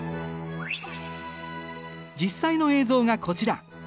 実際の映像がこちら。